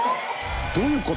どういう事？